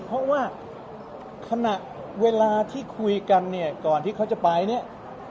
เพราะว่าขณะเวลาที่คุยกันเนี่ยก่อนที่เขาจะไปเนี่ย